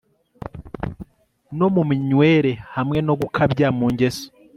no mu minywere hamwe no gukabya mu ngeso